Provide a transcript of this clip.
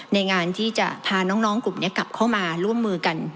ในการที่จะพาน้องกลุ่มนี้กลับเข้ามาร่วมมือกัน